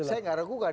saya tidak ragukan